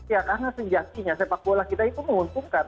ya karena sejatinya sepak bola kita itu menguntungkan